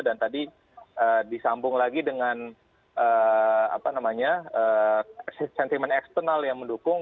dan tadi disambung lagi dengan apa namanya sentimen eksternal yang mendukung